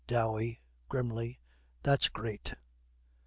DOWEY, grimly, 'That's great.'